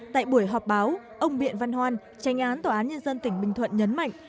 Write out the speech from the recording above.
tại buổi họp báo ông biện văn hoan tranh án tòa án nhân dân tỉnh bình thuận nhấn mạnh